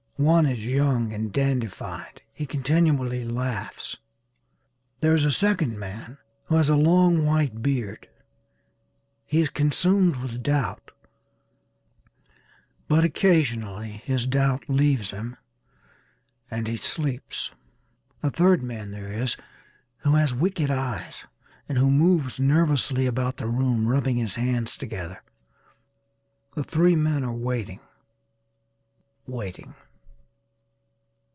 One is young and dandified. He continually laughs. There is a second man who has a long white beard. He is consumed with doubt but occasionally his doubt leaves him and he sleeps. A third man there is who has wicked eyes and who moves nervously about the room rubbing his hands together. The three men are waiting waiting.